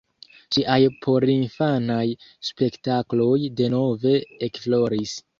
Ŝiaj porinfanaj spektakloj denove ekfloris.